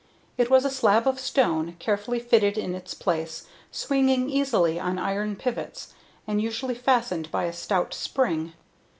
It was a slab of stone, carefully fitted to its place, swinging easily on iron pivots, and usually fastened by a stout spring.